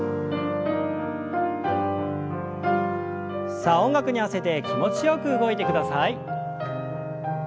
さあ音楽に合わせて気持ちよく動いてください。